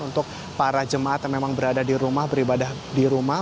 untuk para jemaat yang memang berada di rumah beribadah di rumah